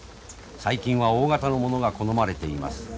最近は大型のものが好まれています。